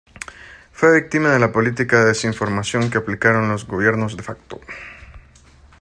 Fue víctima de la política de desinformación que aplicaron los gobiernos de facto.